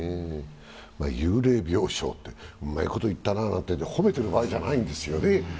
幽霊病床って、うまいこと言ったななんて褒めている場合じゃないんですよね。